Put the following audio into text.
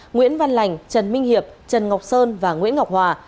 nguyễn văn lành trần minh hiệp trần ngọc sơn và nguyễn ngọc hòa